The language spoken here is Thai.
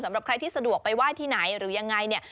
สำหรับใครที่สะดวกไปไหว้ที่ไหนหรือยังไงเนี่ย